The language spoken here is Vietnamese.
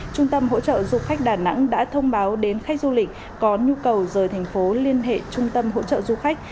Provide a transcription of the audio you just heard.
trung tâm hỗ trợ du khách đà nẵng đã thông báo đến khách du lịch có nhu cầu rời thành phố liên hệ trung tâm hỗ trợ du khách